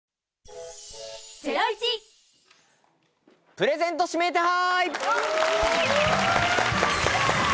プレゼント指名手配！